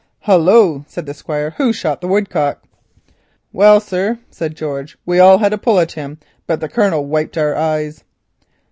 "Hullo," said the Squire, "who shot the woodcock?" "Well, sir," said George, "we all had a pull at him, but the Colonel wiped our eyes."